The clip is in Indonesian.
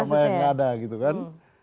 kerja sama yang gak ada gitu kan